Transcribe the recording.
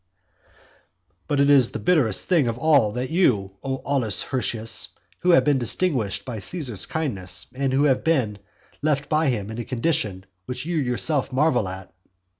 XL "But it is the bitterest thing of all that you, O Aulus Hirtius, who have been distinguished by Caesar's kindness, and who have been left by him in a condition which you yourself marvel at.